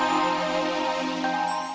tante harus jemput pasien